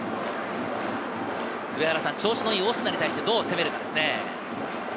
調子のいいオスナに対して、どう攻めるかですね。